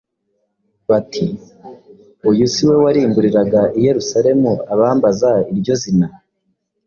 bati, “Uyu si we warimburiraga i Yerusalemu abambaza iryo zina?